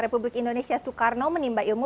republik indonesia soekarno menimba ilmu